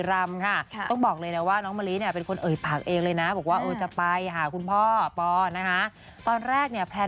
รู้แค่ว่าคุณพ่อทำงานอยู่ข้างบน